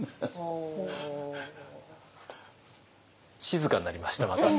静かになりましたまた。